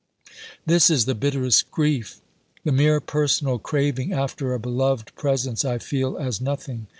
This is the bitterest grief. The mere personal craving after a beloved presence I feel as nothing.